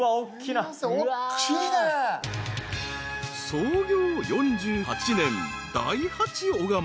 ［創業４８年］